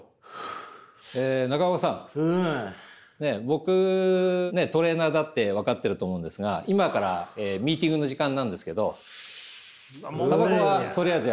僕トレーナーだって分かってると思うんですが今からミーティングの時間なんですけどタバコはとりあえずやめましょう。